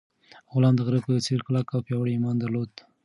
غلام د غره په څېر کلک او پیاوړی ایمان درلود.